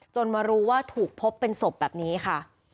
มารู้ว่าถูกพบเป็นศพแบบนี้ค่ะ